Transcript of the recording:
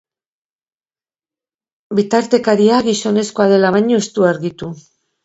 Bitartekaria gizonezkoa dela baino ez du argitu.